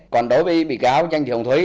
còn đối với bị cáo danh thị hồng thúy